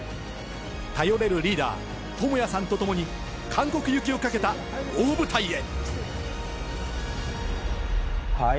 頼れるリーダー・トモヤさんと共に韓国行きをかけた大舞台へ。